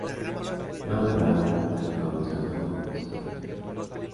Nombra al Contralor Municipal.